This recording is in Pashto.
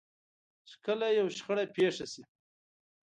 چې کله يوه شخړه پېښه شي.